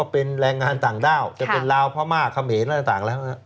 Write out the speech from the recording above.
เป็นแรงงานต่างด้าวจะเป็นลาวพระม่าคระเหและต่าง